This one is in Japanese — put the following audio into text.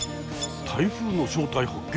台風の正体発見！